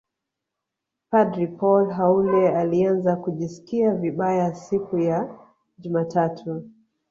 padre Paul Haule alianza kujisikia vibaya siku ya jumatatu